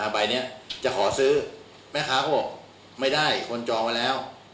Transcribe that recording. ใบนี้จะขอซื้อแม่ค้าก็บอกไม่ได้คนจองไว้แล้ว